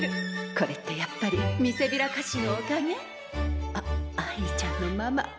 これってやっぱりみせびら菓子のおかげ？あっ愛梨ちゃんのママ。